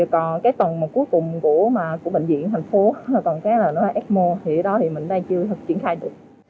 còn cái tầng cuối cùng của bệnh viện thành phố là ecmo thì đó thì mình đang chưa thực hiện khai được